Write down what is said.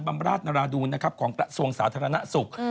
ำราชนราดูนนะครับของกระทรวงสาธารณสุข